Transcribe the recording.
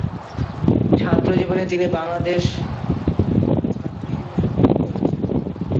ছাত্রজীবনে তিনি বাংলাদেশ ছাত্র ইউনিয়ন করেছেন।